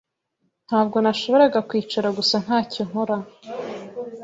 Ntabwo nashoboraga kwicara gusa ntacyo nkora.